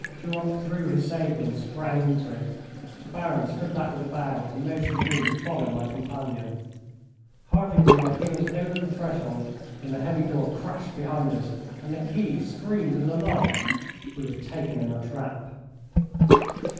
Duroc drew his sabre and sprang into it. The Baron stood back with a bow and motioned me to follow my companion. Hardly were my heels over the threshold when the heavy door crashed behind us and the key screamed in the lock. We were taken in a trap.